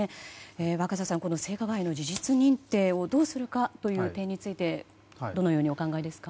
若狭さん、性加害の事実認定をどうするかという点についてどのようにお考えですか？